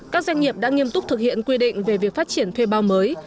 các doanh nghiệp đã nghiêm túc thực hiện quy định về việc phát triển thuê bao mới